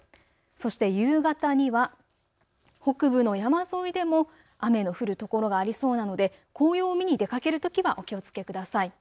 そして夕方には北部の山沿いでも雨の降る所がありそうなので紅葉を見に出かけるときはお気をつけください。